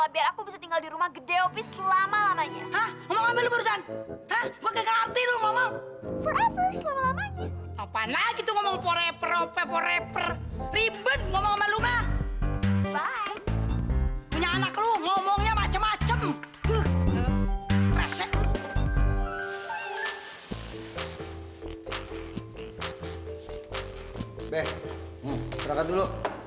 beh turunkan dulu